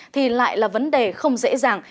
thì lại là vấn đề không dễ dàng